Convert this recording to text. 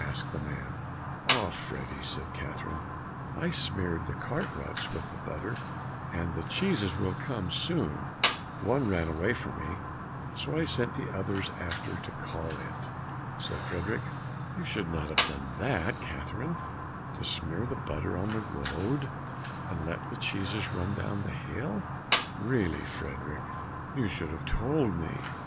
asked the man. "Ah, Freddy," said Catherine, "I smeared the cart ruts with the butter and the cheeses will come soon; one ran away from me, so I sent the others after to call it." Said Frederick, "You should not have done that, Catherine, to smear the butter on the road, and let the cheeses run down the hill!" "Really, Frederick, you should have told me."